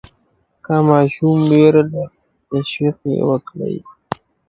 که ماشوم ویره لري، تشویق یې وکړئ.